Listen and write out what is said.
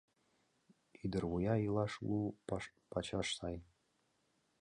«...ӱдыр вуя илаш лу пачаш сай.